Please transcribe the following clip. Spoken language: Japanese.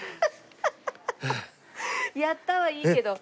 やったはいいけど。